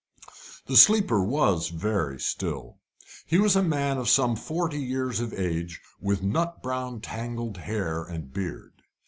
The sleeper was very still. He was a man of some forty years of age, with nut brown tangled hair and beard.